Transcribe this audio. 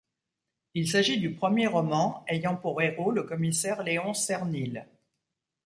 Il s’agit du premier roman ayant pour héros le commissaire Léonce Cernil.